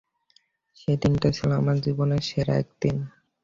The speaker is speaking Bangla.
সেদিনটা ছিল আমার জীবনের সেরা একটি দিন!